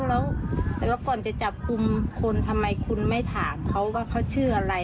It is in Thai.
แล้วก็ก่อนจะจับกลุ่มคนทำไมคุณไม่ถามเขาว่าเขาชื่ออะไร